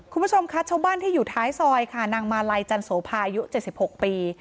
คุณผู้ชมคะชาวบ้านที่อยู่ท้ายซอยค่ะนางมาลัยจันโสภายุ๗๖ปี